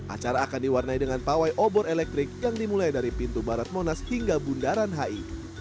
acara akan diwarnai dengan pawai obor elektrik yang dimulai dari pintu barat monas hingga bundaran hi